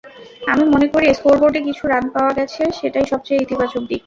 আমি মনে করি স্কোরবোর্ডে কিছু রান পাওয়া গেছে, সেটাই সবচেয়ে ইতিবাচক দিক।